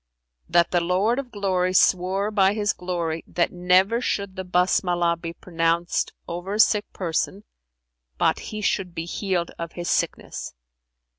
that the Lord of Glory swore by His glory that never should the Basmalah be pronounced over a sick person, but he should be healed of his sickness.